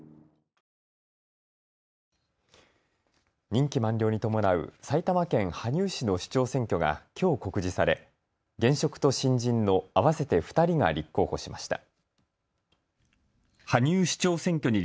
任期満了に伴う埼玉県羽生市の市長選挙がきょう告示され現職と新人の合わせて２人が立候補しました。